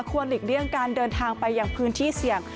หลีกเลี่ยงการเดินทางไปอย่างพื้นที่เสี่ยง